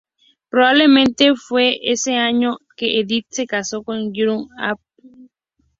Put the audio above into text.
Probablemente fue ese año que Edith se casó con Gruffydd ap Llywelyn.